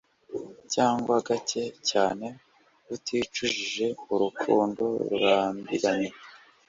Cyangwa gake cyane uticujije urukundo rurambiranye